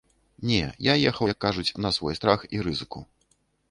Не, я ехаў, як кажуць, на свой страх і рызыку.